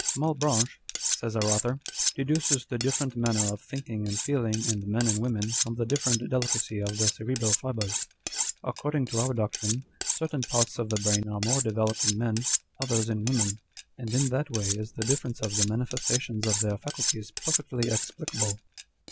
1 Page 83. 2 Page 85. 200 On Dr. Spurzheim's Theory. " Malebranche," says our author, " deduces tlie different manner of thinking and feeling in men and women from the different delicacy of the cerebral fibres. According to our doctrine, certain parts of the brain are more developed in men, others in women ; and in that way is the difference of the manifestations of their faculties perfectly explicable."